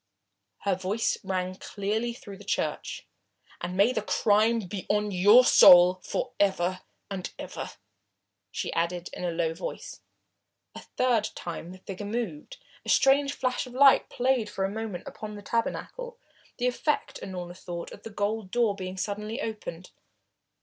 Her voice rang clearly through the church. "And may the crime be on your soul for ever and ever," she added in a low voice. A third time the figure moved. A strange flash of light played for a moment upon the tabernacle, the effect, Unorna thought, of the golden door being suddenly opened.